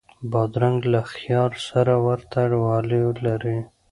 بادرنګ له خیار سره ورته والی لري.